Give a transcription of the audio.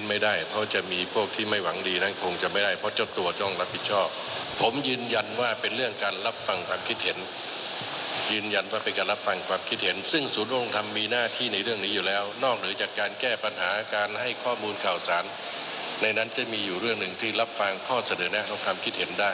นอกหรือจากการแก้ปัญหาการให้ข้อมูลข่าวสารในนั้นจะมีอยู่เรื่องหนึ่งที่รับฟังข้อเสนอแน่ต้องทำคิดเห็นได้